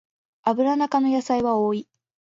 アブラナ科の野菜は多い